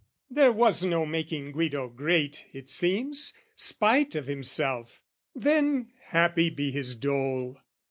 There was no making Guido great, it seems, Spite of himself: then happy be his dole!